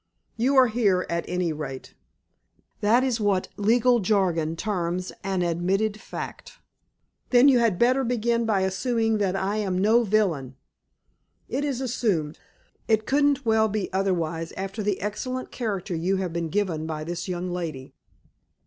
"You are here, at any rate." "That is what legal jargon terms an admitted fact." "Then you had better begin by assuming that I am no villain." "It is assumed. It couldn't well be otherwise after the excellent character you have been given by this young lady."